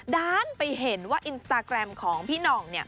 ด้านไปเห็นว่าอินสตาร์แกรมของพี่นองเนี่ย